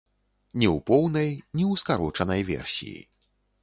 Ні ў поўнай, ні ў скарочанай версіі.